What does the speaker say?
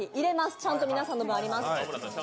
ちゃんと皆さんの分、あります。